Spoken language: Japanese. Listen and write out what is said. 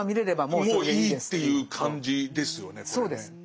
もういいっていう感じですよねこれね。